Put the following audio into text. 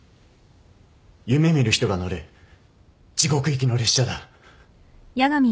夢見る人が乗る地獄行きの列車だ。